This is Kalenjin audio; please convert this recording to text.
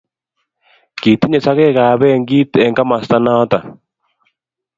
Kitinye sokek ab benkit eng kamasta noto